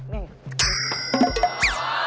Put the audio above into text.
นี่